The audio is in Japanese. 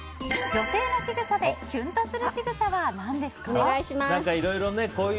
女性のしぐさでキュンとするしぐさは何ですか？